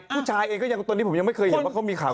ผู้ชายเองก็ยังตอนนี้ผมยังไม่เคยเห็นว่าเขามีข่าว